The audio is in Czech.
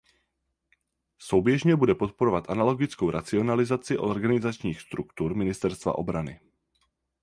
Souběžně bude podporovat analogickou racionalizaci organizačních struktur Ministerstva obrany.